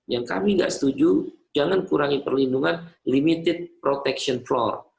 yang kami gak setuju jangan kurangi perlindungan limited protection floor